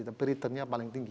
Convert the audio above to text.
tapi returnnya paling tinggi